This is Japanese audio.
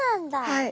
はい。